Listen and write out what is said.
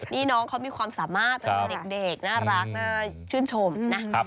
นี่น้องเขามีความสามารถเป็นเด็กน่ารักชื่นชมนะ